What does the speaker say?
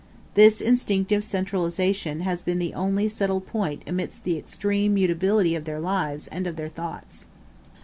This instinctive centralization has been the only settled point amidst the extreme mutability of their lives and of their thoughts.